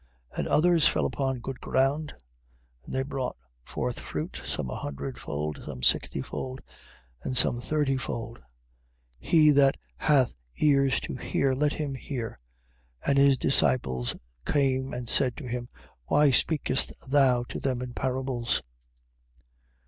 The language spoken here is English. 13:8. And others fell upon good ground: and they brought forth fruit, some an hundred fold, some sixty fold, and some thirty fold. 13:9. He that hath ears to hear, let him hear. 13:10. And his disciples came and said to him: Why speakest thou to them in parables?